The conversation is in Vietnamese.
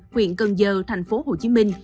quyện cần giờ thành phố hồ chí minh